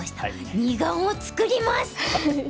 二眼を作ります！